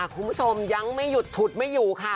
คุณผู้ชมยังไม่หยุดฉุดไม่อยู่ค่ะ